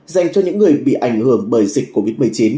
dành cho những người bị ảnh hưởng bởi dịch covid một mươi chín